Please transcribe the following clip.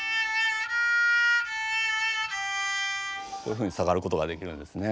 こういうふうに下がることができるんですね。